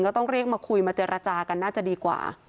ก็ต้องเรียกมาคุยมาเจรจากันน่าจะดีกว่า